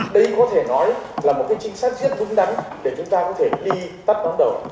đây có thể nói là một cái trinh sát giết vũng đắn để chúng ta có thể đi tắt bóng đầu